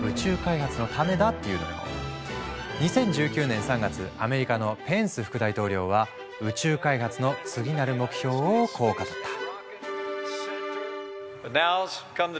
２０１９年３月アメリカのペンス副大統領は宇宙開発の次なる目標をこう語った。